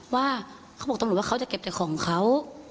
ว่าเขาบอกตำรวจว่าเขาจะเก็บแต่ของเขา